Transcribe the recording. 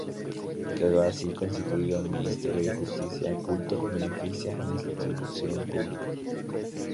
Quedó así constituido el Ministerio de Justicia, Culto, Beneficencia e Instrucción Pública.